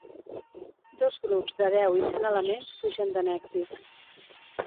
Dos grups de deu i cent elements fugen de Mèxic.